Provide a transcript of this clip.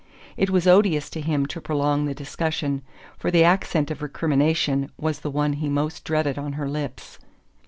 It was odious to him to prolong the discussion, for the accent of recrimination was the one he most dreaded on her lips.